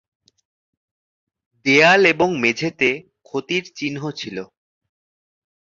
দেয়াল এবং মেঝেতে ক্ষতির চিহ্ন ছিল।